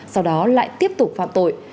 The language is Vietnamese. sau đó lại tiếp tục phạm tội